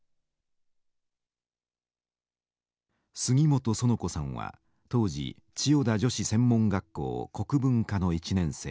杉本苑子さんは当時千代田女子専門学校国文科の１年生。